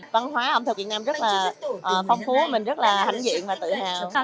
văn hóa tp hcm rất là phong phú mình rất là hãnh diện và tự hào